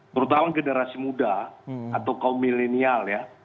terutama generasi muda atau kaum milenial ya